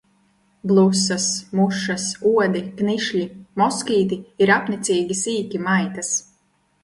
Blusas, mušas, odi, knišļi, moskīti ir apnicīgi sīki maitas.